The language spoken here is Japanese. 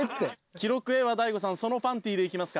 記録へは大悟さんそのパンティでいきますか？